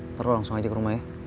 ntar langsung aja ke rumah ya